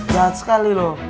bahat sekali lo